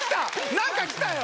何かきたよ！